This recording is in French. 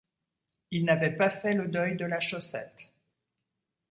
Il n’avait pas fait le deuil de la Chaussette.